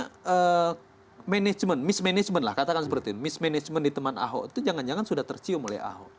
mismanagement mismanagement lah katakan seperti ini mismanagement di teman aho itu jangan jangan sudah tercium oleh aho